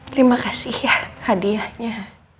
terima kasih ya hadiahnya